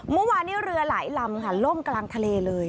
เมื่อวานนี้เรือหลายลำค่ะล่มกลางทะเลเลย